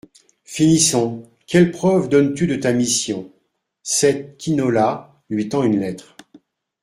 Finissons, quelle preuve donnes-tu de ta mission ? sept QUINOLA , lui tend une lettre.